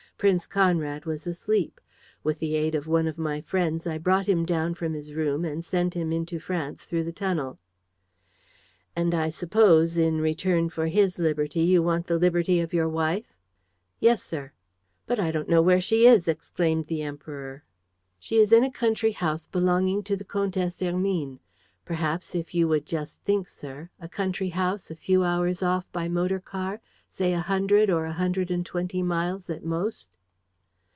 Prince Conrad was asleep. With the aid of one of my friends, I brought him down from his room and sent him into France through the tunnel." "And I suppose, in return for his liberty, you want the liberty of your wife?" "Yes, sir." "But I don't know where she is!" exclaimed the Emperor. "She is in a country house belonging to the Comtesse Hermine. Perhaps, if you would just think, sir ... a country house a few hours off by motor car, say, a hundred or a hundred and twenty miles at most."